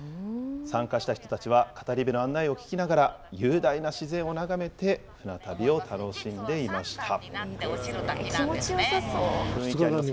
参加した人たちは語り部の案内を聞きながら、雄大な自然を眺めて舟旅を楽しんでいました。